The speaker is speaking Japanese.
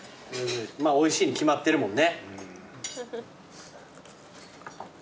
おいしいに決まってるもんね。